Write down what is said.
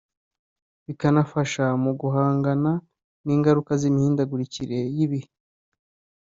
bikanafasha mu guhangana n’ingaruka z’imihindagurikire y’ibihe